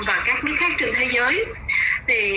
và các nước khác trên thế giới